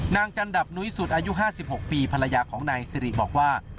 จันดับนุ้ยสุดอายุ๕๖ปีภรรยาของนายสิริบอกว่า